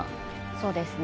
そうですね